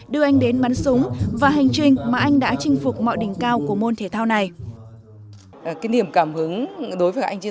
đưa anh đến bắn súng và hành trình mà anh đã chinh phục mọi đỉnh cao của môn